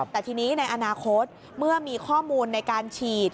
แต่ทีนี้ในอนาคตเมื่อมีข้อมูลในการฉีด